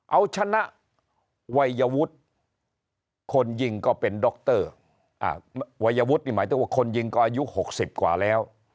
เอาชนะวัยวุฒิคนยิงก็เป็นดรวัยวุฒินี่หมายถึงว่าคนยิงก็อายุ๖๐กว่าแล้ว